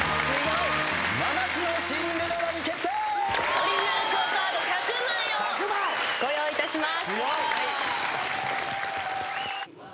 オリジナルＱＵＯカード１００枚をご用意いたします。